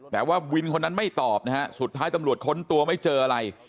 แต่ว่าวินคนนั้นไม่ตอบนะฮะสุดท้ายตำรวจค้นตัวไม่เจออะไร